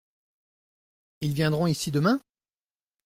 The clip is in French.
Ils viendront ici demain ?